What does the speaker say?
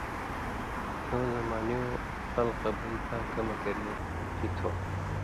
کؤں زُمانِیُوں خلکہ بئ تاں کمہۡ کرے مُچی تھو۔